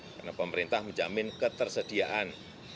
karena pemerintah menjamin ketersediaan